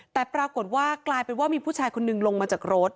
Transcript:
แต่ปรากฏว่ากลายเป็นว่ามีผู้ชายคนนึงลงมาจากรถ